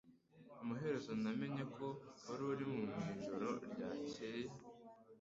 Amaherezo namenye aho wari uri mwijoro ryakeye